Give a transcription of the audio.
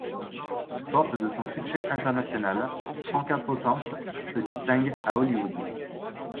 Forte de son succès international, Franka Potente se distingue à Hollywood.